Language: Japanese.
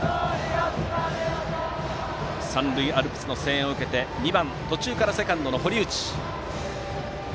三塁アルプスの声援を受けて２番、途中からセカンドの堀内。